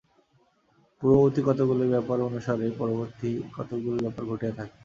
পূর্ববর্তী কতকগুলি ব্যাপার অনুসারেই পরবর্তী কতকগুলি ব্যাপার ঘটিয়া থাকে।